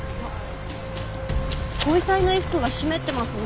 ご遺体の衣服が湿ってますね。